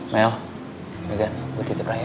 mel megan gue titip rai ya